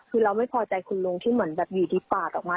คือเราไม่พอใจคุณลุงที่เหมือนแบบอยู่ดีปาดออกมา